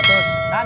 gak ada pak